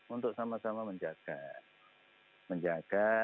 untuk sama sama menjaga